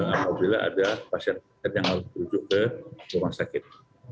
apabila ada pasien yang harus berujuk ke rumah sakit